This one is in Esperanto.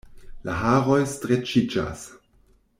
La haroj streĉiĝas.